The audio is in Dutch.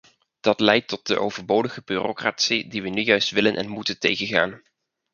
Dat leidt tot de overbodige bureaucratie die we nu juist willen en moeten tegengaan.